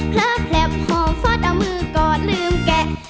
เพลิดแข็บห่อฟัดเอามือก่อนลืมแกะ